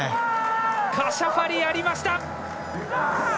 カシャファリ、やりました！